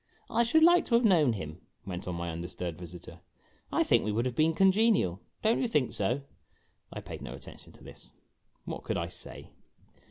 " I should like to have known him," went on my undisturbed A LOST OPPORTUNITY 79 visitor. " I think we would have been congenial. Don't you think so?" I paid no attention to this. What could I say